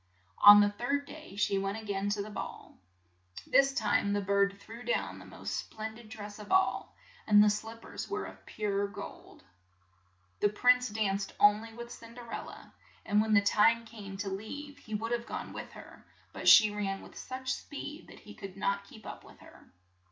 On the third day she went a gain to the ball. This time the bird threw down the most splen did dress of all, and the slip pers were of pure gold. The prince danced on ly with Cin der el la, and when the time came to leave, he would have gone with her, but she ran with such speed that he could not keep up with her.